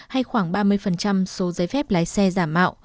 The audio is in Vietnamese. hay khoảng ba mươi số giấy phép lái xe giả mạo